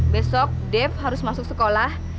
besok dev harus masuk sekolah